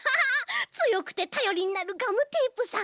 つよくてたよりになるガムテープさん。